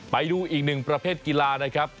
ไปดูอีกหนึ่งประเภทกีฬานะครับ